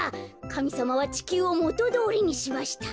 かみさまはちきゅうをもとどおりにしました。